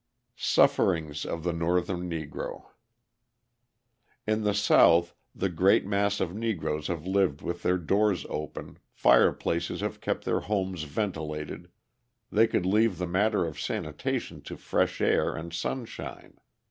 Sufferings of the Northern Negro In the South the great mass of Negroes have lived with their doors open, fireplaces have kept their homes ventilated, they could leave the matter of sanitation to fresh air and sunshine.